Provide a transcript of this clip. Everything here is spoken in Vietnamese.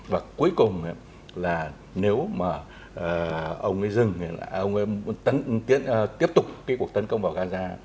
và cuối cùng là nếu mà ông ấy dừng là ông ấy tiếp tục cái cuộc tấn công vào gaza